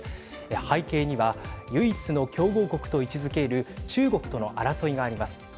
背景には唯一の強豪国と位置づける中国との争いがあります。